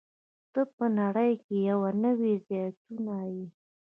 ته په نړۍ کې یوه نوې زياتونه يې.